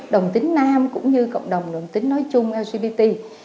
đồng tính nam cũng như cộng đồng tính nói chung lgbt